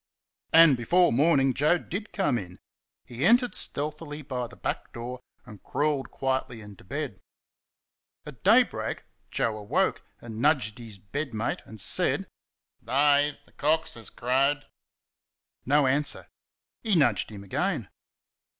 And before morning Joe DID come in. He entered stealthily by the back door, and crawled quietly into bed. At daybreak Joe awoke, and nudged his bed mate and said: "Dave, the cocks has crowed!" No answer. He nudged him again.